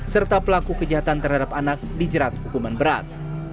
serta pelaku kejahatan terhadap anak di jerat hukuman berat